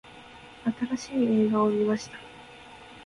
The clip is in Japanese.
新しい映画を観ました。